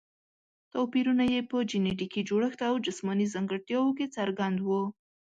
توپیرونه یې په جینټیکي جوړښت او جسماني ځانګړتیاوو کې څرګند وو.